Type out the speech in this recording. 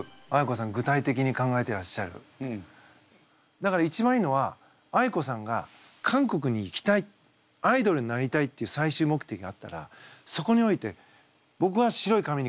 だから一番いいのはあいこさんが韓国に行きたいアイドルになりたいっていう最終目的があったらそこにおいてぼくは白い紙に書くのが好きなの。